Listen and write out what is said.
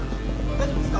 大丈夫ですか？